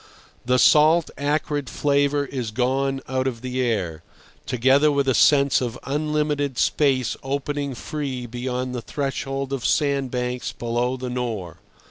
The salt, acrid flavour is gone out of the air, together with a sense of unlimited space opening free beyond the threshold of sandbanks below the Nore.